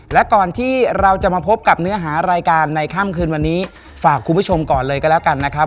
และก่อนที่เราจะมาพบกับเนื้อหารายการในค่ำคืนวันนี้ฝากคุณผู้ชมก่อนเลยก็แล้วกันนะครับ